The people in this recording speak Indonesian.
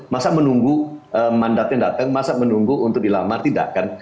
masa menunggu mandatnya datang masa menunggu untuk dilamar tidak kan